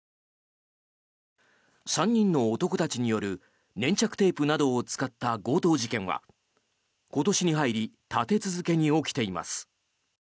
３人の男たちによる粘着テープを使った強盗事件は今年に入り立て続けに起きています。